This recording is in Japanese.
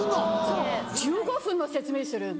そう１５分の説明する。